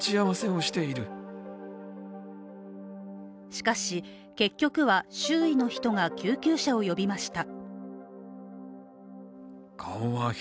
しかし、結局は周囲の人が救急車を呼びました。